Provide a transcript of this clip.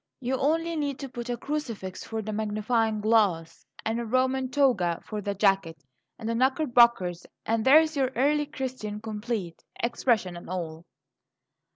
You only need to put a crucifix for the magnifying glass and a Roman toga for the jacket and knickerbockers, and there's your Early Christian complete, expression and all."